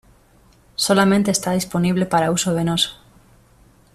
Solamente está disponible para uso venoso.